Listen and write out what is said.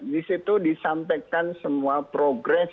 di situ disampaikan semua progres